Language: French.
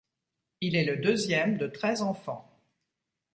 Il est le deuxième de treize enfants.